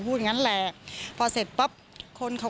ตลอดทั้งคืนตลอดทั้งคืน